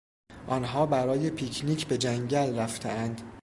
آنها برای پیک نیک به جنگل رفتهاند.